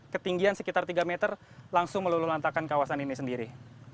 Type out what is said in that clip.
ketinggian sekitar tiga meter langsung melulu lantakan kawasan ini sendiri